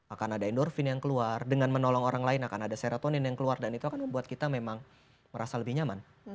akan ada endorfin yang keluar dengan menolong orang lain akan ada serotonin yang keluar dan itu akan membuat kita memang merasa lebih nyaman